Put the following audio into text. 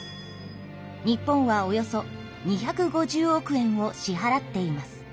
日本はおよそ２５０億円を支はらっています。